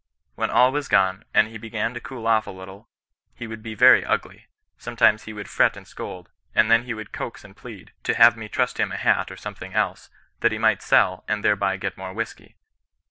When all was gone, and he began to cool off a little, he would be very ugly ; sometimes he would fret and scold, and then he would coax and plead, to have me trust him a hat or something else, that he might sell, and thereby get more whiskey.